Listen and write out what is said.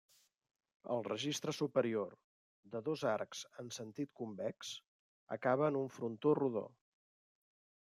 El registre superior, de dos arcs en sentit convex, acaba en un frontó rodó.